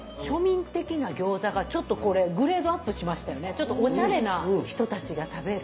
ちょっとおしゃれな人たちが食べる。